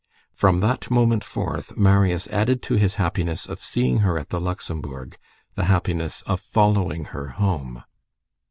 From that moment forth, Marius added to his happiness of seeing her at the Luxembourg the happiness of following her home.